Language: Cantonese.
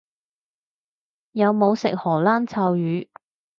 有冇食荷蘭臭魚？